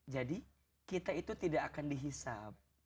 jadi kita itu tidak akan dihisap